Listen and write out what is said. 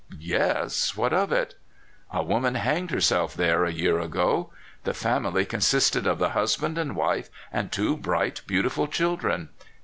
" "Yes; what of it?" "A woman hanged herself there a year ago. The family consisted of the husband and wife and two bright, beautiful children.